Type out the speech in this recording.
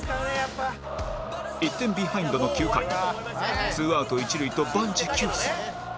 １点ビハインドの９回２アウト一塁と万事休す